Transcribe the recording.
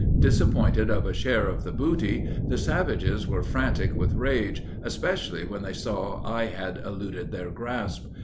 Disappointed of a share of the booty, the savages were frantic with rage, especially when they saw I had eluded their grasp.